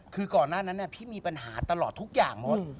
คือก่อนหน้านั้นพี่มีปัญหาตลอดทุกอย่างหมด